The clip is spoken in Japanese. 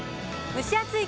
蒸し暑い